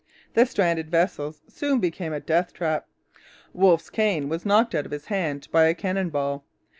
The stranded vessels soon became a death trap. Wolfe's cane was knocked out of his hand by a cannon ball.